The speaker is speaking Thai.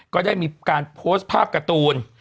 ก็ได้มีการโพสต์ภาพการ์ตูน